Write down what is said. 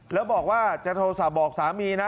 แล้วบอกว่าจะโทรศัพท์บอกสามีนะ